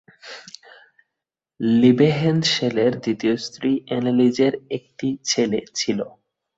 লিবেহেনশেলের দ্বিতীয় স্ত্রী অ্যানেলিজের একটি ছেলে ছিল।